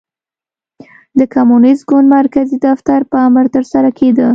د کمونېست ګوند مرکزي دفتر په امر ترسره کېده.